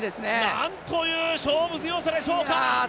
なんという勝負強さでしょうか。